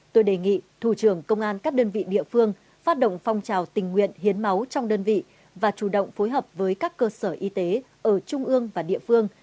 tôi đề nghị thủ trưởng công an các đơn vị địa phương phát động phong trào tình nguyện hiến máu trong đơn vị và chủ động phối hợp với các cơ sở y tế ở trung ương và địa phương